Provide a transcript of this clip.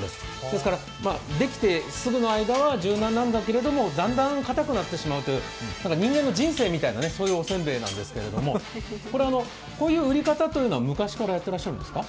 ですからできてすぐの間は柔軟なんだけれども、だんだん固くなってしまうっていう人間の人生みたいなせんべいなんですけれどもこういう売り方というのは昔からやってらっしゃるんですか。